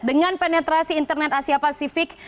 dengan penetrasi internet asia pasifik